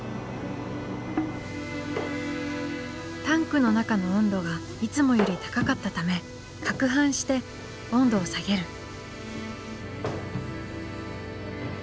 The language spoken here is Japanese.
タンクの中の温度がいつもより高かったためかくはんして温度を下げる。